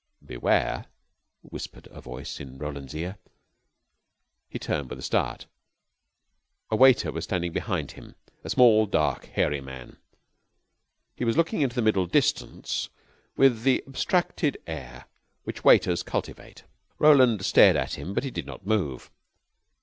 "Beware!" whispered a voice in Roland's ear. He turned with a start. A waiter was standing behind him, a small, dark, hairy man. He was looking into the middle distance with the abstracted air which waiters cultivate. Roland stared at him, but he did not move.